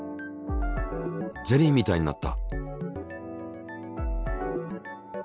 ゼリーみたいになった。